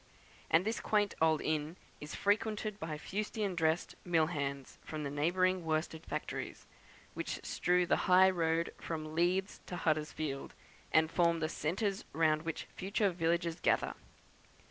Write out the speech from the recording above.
And this quaint old inn is frequented by fustian dressed mill hands from the neighbouring worsted factories, which strew the high road from Leeds to Huddersfield, and form the centres round which future villages gather.